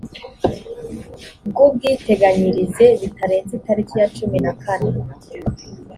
bw ubwiteganyirize bitarenze itariki ya cumi na kane